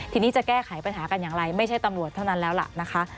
ทีนี้จะแก้ไขปัญหากันอย่างไรไม่ใช่ตำรวจเท่านั้นแล้วล่ะนะคะ